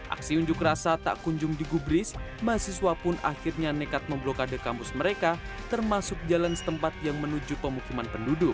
aksi unjuk rasa tak kunjung digubris mahasiswa pun akhirnya nekat memblokade kampus mereka termasuk jalan setempat yang menuju pemukiman penduduk